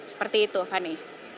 seperti itu fanny